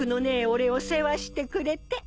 俺を世話してくれて。